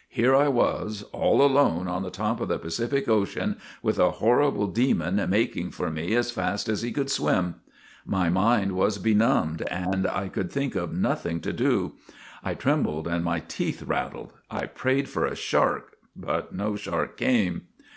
" Here I was all alone on the top of the Pacific Ocean with a horrible demon making for me as fast as he could swim. My mind was benumbed, and I could think of nothing to do. I trembled and my teeth rattled. I prayed for a shark, but no shark came.